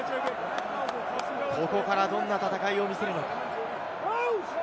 ここからどんな戦いを見せるのか？